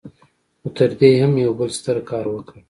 خو تر دې يې هم يو بل ستر کار وکړ.